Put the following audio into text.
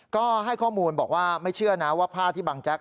ก็ให้ข้อมูลบอกว่าไม่เชื่อนะว่าผ้าที่บางแจ๊ก